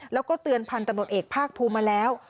แล้วก็เตือนพันธุ์ตำรวจเอกภาคภูมิมาแล้ว